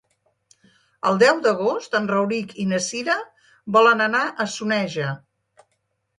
El deu d'agost en Rauric i na Cira volen anar a Soneja.